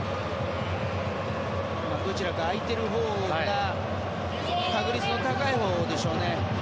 どちらか空いているほうが確率の高いほうでしょうね。